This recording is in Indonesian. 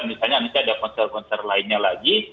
misalnya ada konser konser lainnya lagi